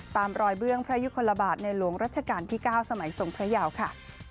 ตามรอยเบื้องพระยุคลบาทในหลวงรัชกาลที่๙สมัยทรงพระยาวค่ะ